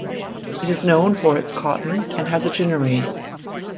It is known for its cotton and has a ginnery.